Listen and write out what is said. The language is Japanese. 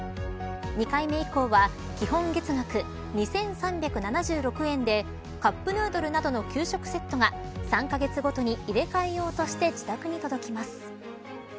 ２回目以降は基本月額２３７６円でカップヌードルなどの９食セットが３カ月ごとに入れ替え用として自宅に届きます。